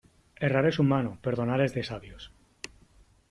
Errar es humano, perdonar es de sabios.